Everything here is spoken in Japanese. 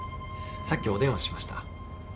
さっきお電話しました。